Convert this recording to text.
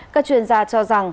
các chuyên gia cho rằng